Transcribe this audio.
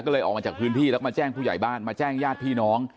ก็เลยออกมาจากพื้นที่แล้วมาแจ้งผู้ใหญ่บ้านมาแจ้งญาติพี่น้อง